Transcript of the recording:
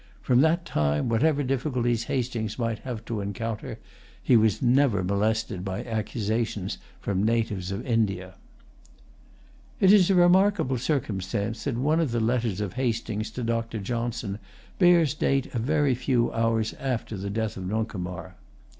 From that time, whatever difficulties Hastings might have to encounter, he was never molested by accusations from natives of India. It is a remarkable circumstance that one of the letters[Pg 159] of Hastings to Dr. Johnson bears date a very few hours after the death of Nuncomar.